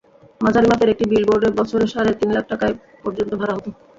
মাঝারি মাপের একটি বিলবোর্ড বছরে সাড়ে তিন লাখ টাকায় পর্যন্ত ভাড়া হতো।